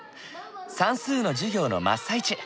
算数の授業の真っ最中。